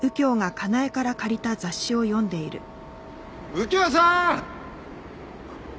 右京さーん！